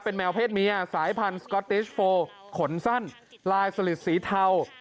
เป็นแมวเพศมียสายพันธุรกิจขอนสั้นลายสะลิดสีเทา